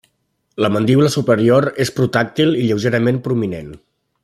La mandíbula superior és protràctil i lleugerament prominent.